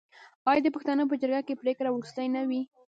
آیا د پښتنو په جرګه کې پریکړه وروستۍ نه وي؟